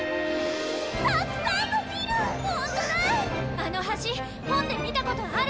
あの橋本で見た事ある！